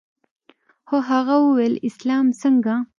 خو هغه وويل اسلام څنگه.